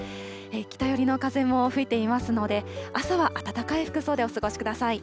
北寄りの風も吹いていますので、朝は暖かい服装でお過ごしください。